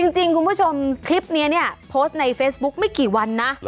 จริงคุณผู้ชมคลิปนี้เนี่ยโพสต์ในเฟซบุ๊กไม่กี่วันนะ